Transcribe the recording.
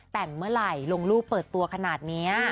แต่งเมื่อไหร่ลงรูปเปิดตัวขนาดนี้